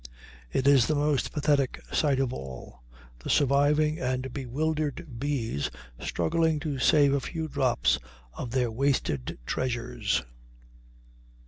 It is the most pathetic sight of all, the surviving and bewildered bees struggling to save a few drops of their wasted treasures.